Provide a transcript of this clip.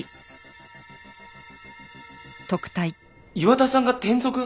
岩田さんが転属！？